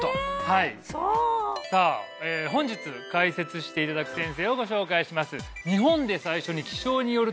そうさあ本日解説していただく先生をご紹介します